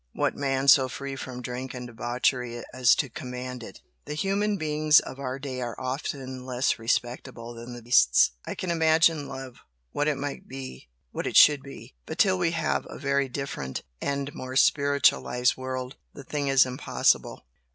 what man so free from drink and debauchery as to command it? The human beings of our day are often less respectable than the beasts! I can imagine love, what it might be what it should be but till we have a very different and more spiritualised world, the thing is impossible."